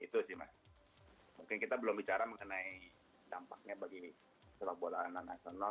itu sih mas mungkin kita belum bicara mengenai dampaknya bagi sepak bola anak nasional